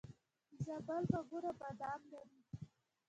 د زابل باغونه بادام لري.